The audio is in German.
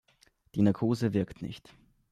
Die Narkose wirkt nicht.